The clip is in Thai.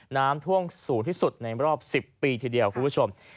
น้ำท่วมสูงที่สุดในรอบ๑๐ปีทีเดียวคุณผู้ชม